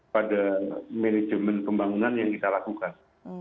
pada manajemen pembangunan yang kita lakukan